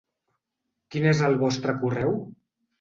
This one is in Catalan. Quin és el vostre correu?